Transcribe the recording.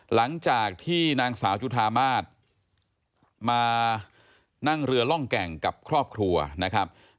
หลังจากที่นางสาวจุธามาศมานั่งเรือร่องแก่งกับครอบครัวนะครับ